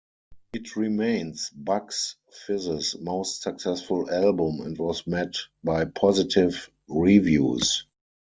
It remains Bucks Fizz's most successful album and was met by positive reviews.